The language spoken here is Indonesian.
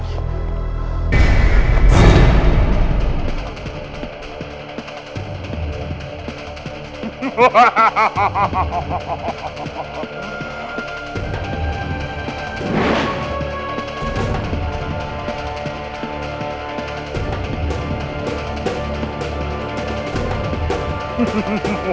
ini mungkin yang diambil dari pinteru